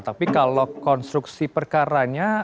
tapi kalau konstruksi perkaranya